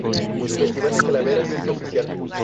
Festival de Calaveras, sitio oficial.